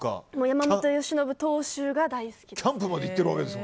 山本由伸投手が大好きです。